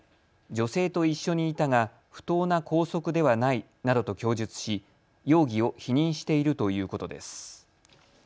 女性と一緒にいたが不当な拘束ではないなどと供述し容疑を否認しているということです。